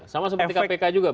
sama seperti kpk juga